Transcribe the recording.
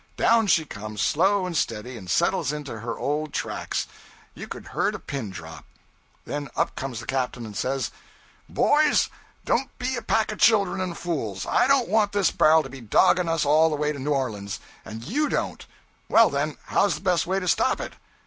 Down she comes, slow and steady, and settles into her old tracks. You could a heard a pin drop. Then up comes the captain, and says: '"Boys, don't be a pack of children and fools; I don't want this bar'l to be dogging us all the way to Orleans, and _you _don't; well, then, how's the best way to stop it?